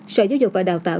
sở giáo dục và đào tạo